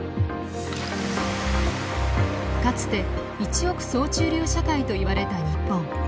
かつて一億総中流社会といわれた日本。